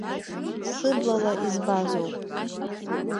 Сыблала избазоуп…